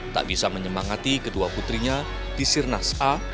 tak bisa menyemangati kedua putrinya di sirnas a